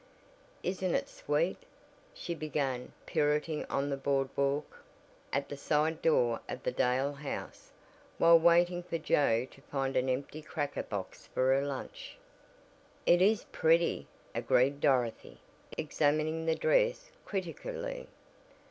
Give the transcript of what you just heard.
"Isn't it sweet?" she began pirouetting on the board walk, at the side door of the Dale house, while waiting for Joe to find an empty cracker box for her lunch. "It is pretty," agreed Dorothy, examining the dress critically.